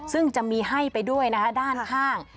ซึ่งจะมีให้ไปด้วยนะคะด้านข้าง